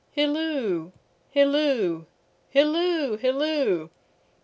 Hilloo, hilloo, hilloo, hilloo!